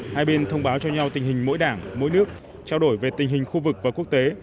hai bên thông báo cho nhau tình hình mỗi đảng mỗi nước trao đổi về tình hình khu vực và quốc tế